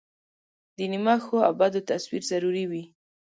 د نیمه ښو او بدو تصویر ضروري وي.